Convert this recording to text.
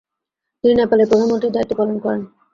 তিনি নেপালের প্রধানমন্ত্রীর দায়িত্ব পালন করেন।